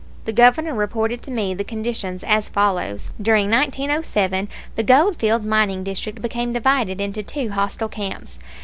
The Governor reported to me the conditions as follows. During 1907 the Goldfield mining district became divided into two hostile camps.